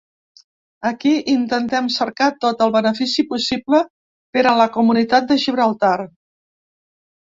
Aquí intentem cercar tot el benefici possible per a la comunitat de Gibraltar.